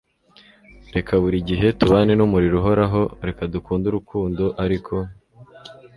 reka buri gihe tubane n'umuriro uhoraho, reka dukunde urukundo ariko